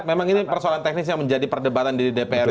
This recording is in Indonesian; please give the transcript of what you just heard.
memang ini persoalan teknis yang menjadi perdebatan di dpr